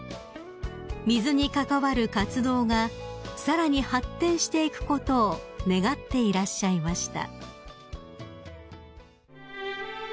［水に関わる活動がさらに発展していくことを願っていらっしゃいました］